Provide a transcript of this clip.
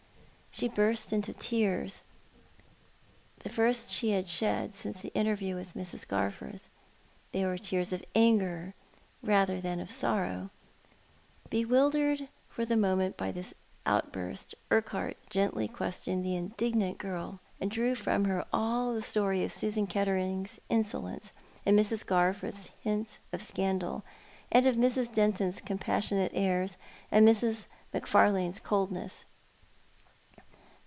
She burst into tears, the first she had shed since the interview with ]\Irs. Garforth, They were tears of auger rather than of sorrow. Bewildered for the moment by this outburst, Urquhart gently questioned the indignant girl, and drew from her all the story of Susan Kettering's insolence, and ISIrs. Garforth's hinfs of scandal — of Mrs. Denton's compassionate airs, and Mrs. Macfarlane's coldness.